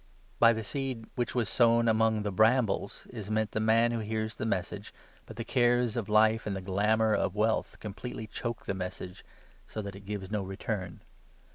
By the seed which was sown among the brambles is meant 22 the man who hears the Message, but the cares of life and the glamour of wealth completely choke the Message, so that it gives no return.